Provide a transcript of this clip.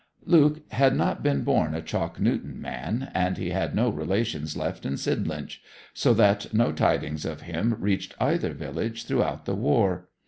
Luke had not been born a Chalk Newton man, and he had no relations left in Sidlinch, so that no tidings of him reached either village throughout the war.